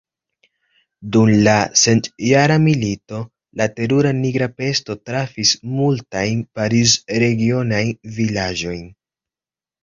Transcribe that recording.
Dum la centjara milito, la terura nigra pesto trafis multajn Pariz-regionajn vilaĝojn.